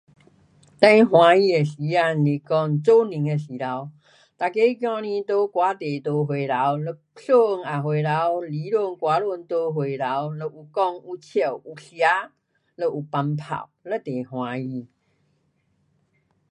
最欢喜的时间是讲做年的时头，每个孩儿在外地都回来，嘞孙也回来,里孙外孙都回头，呐有说有笑也有吃。嘞有放炮，非常欢喜。